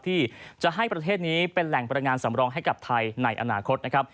ที่จะให้ประเทศนี้เป็นแหล่งพลังงานสำรองให้กับไทยในอนาคตนะครับ